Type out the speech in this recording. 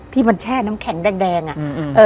ที่มันแช่น้ำแข็งแดงอ่ะ